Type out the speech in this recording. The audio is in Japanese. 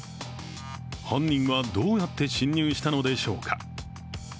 犯人はどうやって侵入したのでしょうか。